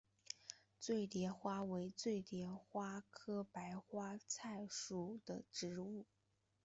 醉蝶花为醉蝶花科白花菜属的植物。